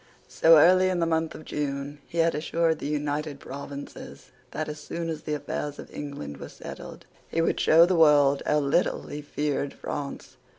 So early as the month of June he had assured the United Provinces that, as soon as the affairs of England were settled, he would show the world how little he feared France.